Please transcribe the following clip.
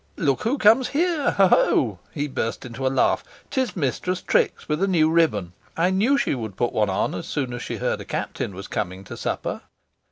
Look! who comes here ho, ho!" he burst into a laugh. "'Tis Mistress Trix, with a new ribbon; I knew she would put one on as soon as she heard a captain was coming to supper."